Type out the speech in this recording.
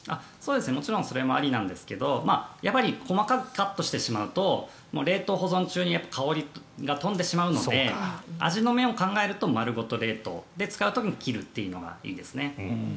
もちろんそれもありなんですけどやっぱり細かくカットしてしまうと冷凍保存中に香りが飛んでしまうので味の面を考えると丸ごと冷凍で、使う時に切るというのがいいですね。